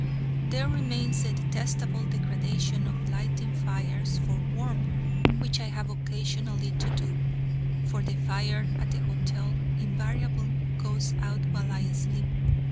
There remains the detestable degradation of lighting fires for warmth, which I have occasionally to do: for the fire at the hotel invariably goes out while I sleep.